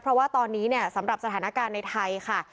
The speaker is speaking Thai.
เพราะว่าตอนนี้เนี่ยสำหรับสถานการณ์ในไทยค่ะ